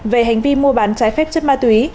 về hành vi mua bán trái phép chất ma túy